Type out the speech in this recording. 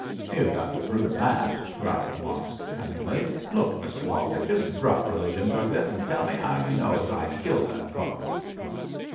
'You've got to prove that,' growled Mosk, cunningly; 'look, Mr Baltic, jus' drop religion for a bit, and tell me 'ow you know as I killed that cove.'